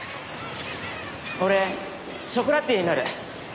俺ショコラティエになる。